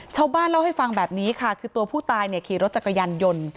ชาวบ้านเล่าให้ฟังแบบนี้ค่ะคือตัวผู้ตายเนี่ยขี่รถจักรยานยนต์